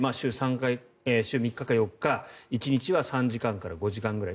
週３日か４日１日は３時間から５時間くらい。